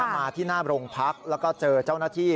มาที่หน้าโรงพักแล้วก็เจอเจ้าหน้าที่